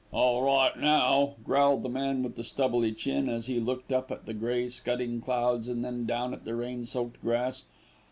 "All right now," growled the man with the stubbly chin as he looked up at the grey scudding clouds and then down at the rain soaked grass.